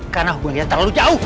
karena hubungan kita terlalu jauh